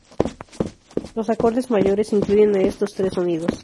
Los acordes mayores incluyen a estos tres sonidos.